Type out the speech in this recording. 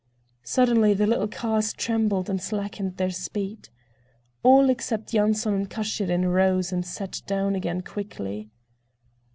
Suddenly the little cars trembled and slackened their speed. All, except Yanson and Kashirin, rose and sat down again quickly.